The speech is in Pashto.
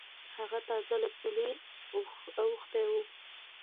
هغه تازه له پولې اوختی و.